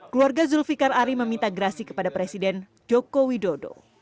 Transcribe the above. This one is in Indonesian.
keluarga zulfikar ari meminta grasi kepada presiden joko widodo